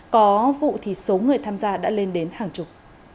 có vụ thì số người tham gia đã lên đến hàng chục